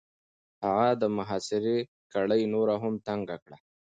هغه د محاصرې کړۍ نوره هم تنګ کړه.